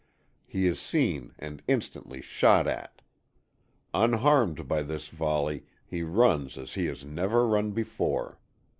He is seen and instantly shot at. Unharmed by this volley, he runs as he has never run before.